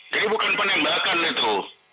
jadi bukan penembakan itu